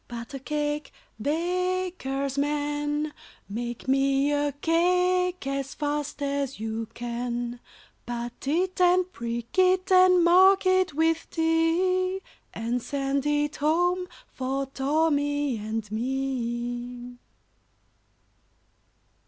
] Pat a cake, Pat a cake, baker's man, Make me a cake as fast as you can; Pat it, and prick it, and mark it with T, And send it home for Tommy and me.